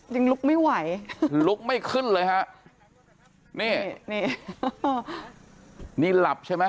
ยังลุกไม่ไหวลุกไม่ขึ้นเลยฮะนี่นี่หลับใช่ไหม